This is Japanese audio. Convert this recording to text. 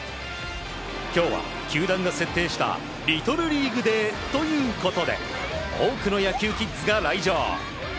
今日は、球団が設定したリトルリーグデーということで多くの野球キッズが来場。